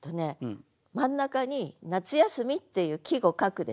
真ん中に「夏休」っていう季語書くでしょ。